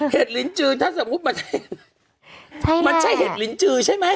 ลิ้นจือถ้าสมมุติมันใช่เห็ดลิ้นจือใช่ไหม